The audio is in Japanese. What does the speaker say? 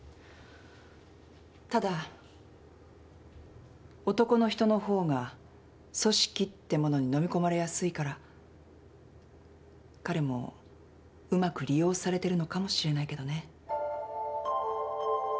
ただ男の人のほうが組織ってものに飲み込まれやすいから彼もうまく利用されてるのかもしれないけどね。